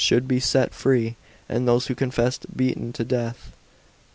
CHAP, xxx should be set free, and those who confessed beaten to death.